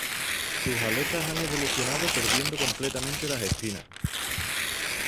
Sus aletas han evolucionado perdiendo completamente las espinas.